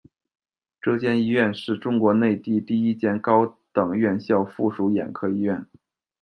这间医院是中国内地的第一间高等院校附属眼科医院。